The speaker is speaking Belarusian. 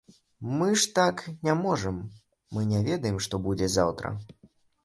Мы ж так не можам, мы не ведаем, што будзе заўтра.